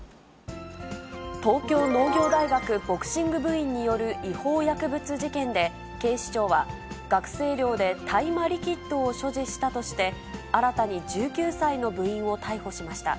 東京農業大学ボクシング部員による違法薬物事件で、警視庁は、学生寮で大麻リキッドを所持したとして、新たに１９歳の部員を逮捕しました。